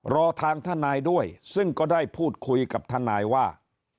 รอทางทนายด้วยซึ่งก็ได้พูดคุยกับทนายว่า